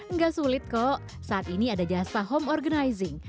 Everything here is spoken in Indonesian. nggak sulit kok saat ini ada jasa home organizing